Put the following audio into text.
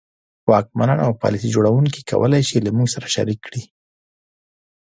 واکمنان او پالیسي جوړوونکي کولای شي له موږ سره شریک کړي.